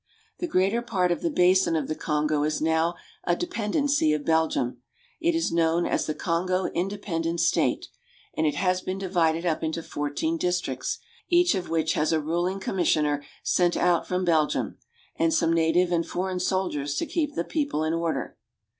The greater part of the basin of the Kongo is now a dependency of Belgium. It is known as the Kongo Independent State; and it has been divided up into fmirteen districts, each of which has a ruling commissioner sent out from Belgium, and some native and foreign soldiers to keep the people in order.